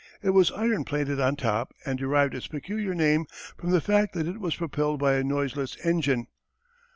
It was iron plated on top and derived its peculiar name from the fact that it was propelled by a noiseless engine.